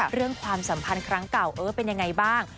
ความสัมพันธ์ครั้งเก่าเออเป็นยังไงบ้าง